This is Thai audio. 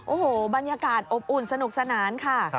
โอ้โหบรรยากาศอบอุ่นสนุกสนานค่ะ